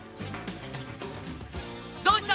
どうした！